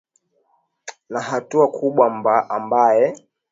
ni hatua kubwa ambae